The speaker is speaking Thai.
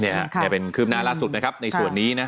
นี่เป็นคืบนารัสสุดในส่วนนี้นะ